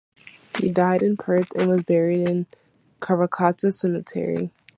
He died in Perth, and was buried in Karrakatta Cemetery.